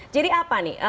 jadi apa nih